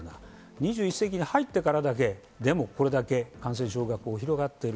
２１世紀に入ってからでも、これだけの感染症が広がっている。